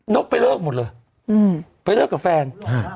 กไปเลิกหมดเลยไปเลิกกับแฟน